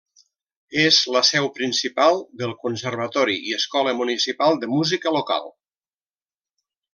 És la seu principal del Conservatori i Escola Municipal de Música local.